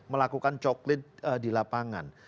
melakukan coklat di lapangan